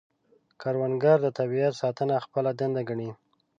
کروندګر د طبیعت ساتنه خپله دنده ګڼي